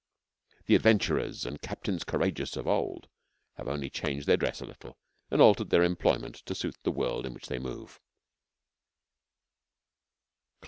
The adventurers and captains courageous of old have only changed their dress a little and altered their employment to suit the world in which they move.